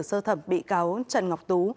sơ thẩm bị cáo trần ngọc tú